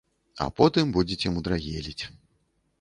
А потым будзеце мудрагеліць.